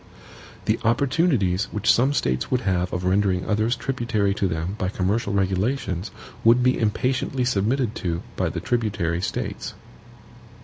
The opportunities which some States would have of rendering others tributary to them by commercial regulations would be impatiently submitted to by the tributary States.